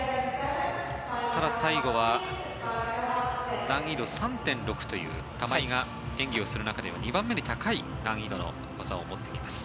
ただ最後は難易度３．６という玉井が演技をする中で２番目に高い難易度の技を持ってきます。